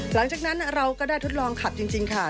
หลังจากนั้นเราก็ได้ทดลองขับจริงค่ะ